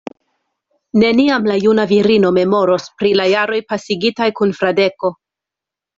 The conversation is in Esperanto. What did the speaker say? Neniam la juna virino memoros pri la jaroj pasigitaj kun Fradeko.